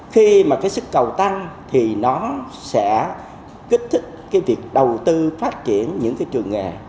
khi mà cái sức cầu tăng thì nó sẽ kích thích cái việc đầu tư phát triển những cái trường nghề